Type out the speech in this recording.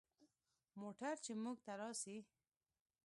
موټر چې موږ ته راسي.